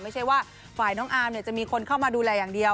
ไม่ใช่ว่าฝ่ายน้องอาร์มจะมีคนเข้ามาดูแลอย่างเดียว